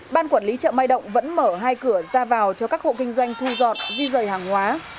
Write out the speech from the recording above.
ban quản lý chợ mai động vẫn mở hai cửa ra vào cho các hộ kinh doanh thu giọt di rời hàng hóa